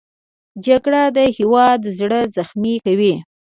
جګړه د هېواد زړه زخمي کوي